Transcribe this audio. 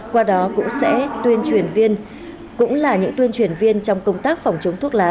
qua đó cũng sẽ tuyên truyền viên cũng là những tuyên truyền viên trong công tác phòng chống thuốc lá